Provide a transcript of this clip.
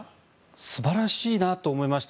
素晴らしいなと思いました。